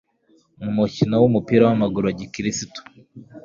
umukino wumupira wamaguru wa gikirisitu